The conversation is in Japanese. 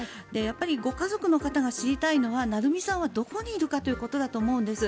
ご家族の方が知りたいのは愛海さんはどこにいるのかということだと思うんです。